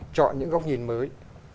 chọn những góc nhìn mới